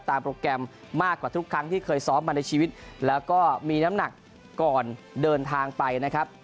โปรแกรมมากกว่าทุกครั้งที่เคยซ้อมมาในชีวิตแล้วก็มีน้ำหนักก่อนเดินทางไปนะครับ